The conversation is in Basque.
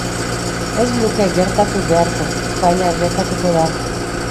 Ez luke gertatu beharko, baina gertatuko da.